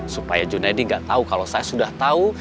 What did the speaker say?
supaya junedi gak tau kalau saya sudah tau